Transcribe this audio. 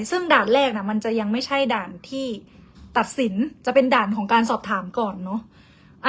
ซึ่งด่านแรกมันจะยังไม่ใช่ด่านที่ตัดสินจะเป็นด่านของการสอบถามก่อนเนอะ